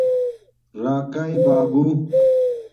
راکئ باگُو